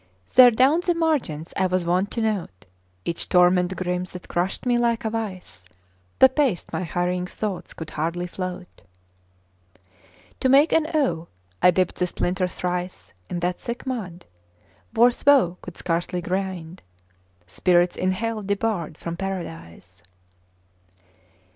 There down the margins I was wont to note Each torment grim that crushed me like a vice: The paste my hurrying thoughts could hardly float. To make an O, I dipped the splinter thrice In that thick mud; worse woe could scarcely grind Spirits in hell debarred from Paradise.